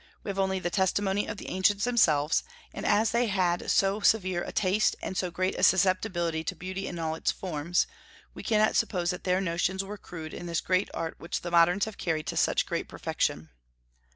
We have only the testimony of the ancients themselves; and as they had so severe a taste and so great a susceptibility to beauty in all its forms, we cannot suppose that their notions were crude in this great art which the moderns have carried to such great perfection.